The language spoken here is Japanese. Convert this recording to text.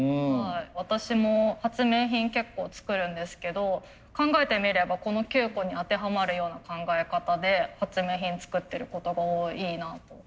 私も発明品結構作るんですけど考えてみればこの９個に当てはまるような考え方で発明品作ってることが多いなと。